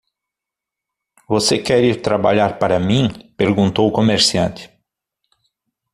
"Você quer ir trabalhar para mim?", Perguntou o comerciante.